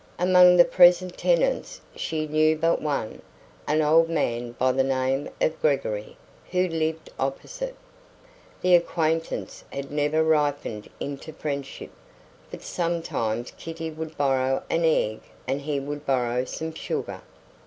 Among the present tenants she knew but one, an old man by the name of Gregory, who lived opposite. The acquaintance had never ripened into friendship; but sometimes Kitty would borrow an egg and he would borrow some sugar.